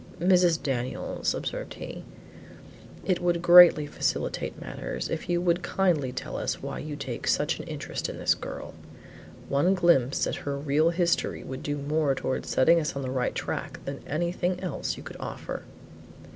"Mrs. Daniels," observed he, "it would greatly facilitate matters if you would kindly tell us why you take such an interest in this girl. One glimpse at her real history would do more towards setting us on the right track than anything else you could offer."